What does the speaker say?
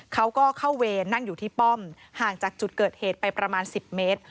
เขาก็เข้าเวรนั่งอยู่ที่ป้อมห่างจากจุดเกิดเหตุไปประมาณ๑๐เมตร